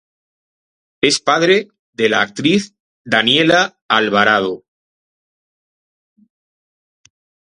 Es padre de la actriz Daniela Alvarado.